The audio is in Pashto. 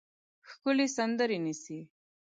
ښکلې سندرې نیسي